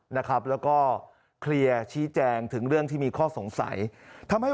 นะครับแล้วก็เคลียร์ชี้แจงถึงเรื่องที่มีข้อสงสัยทำให้